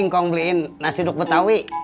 kamu masih ketawa